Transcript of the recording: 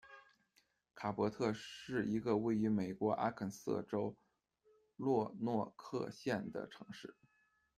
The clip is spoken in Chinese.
卡博特是一个位于美国阿肯色州洛诺克县的城市。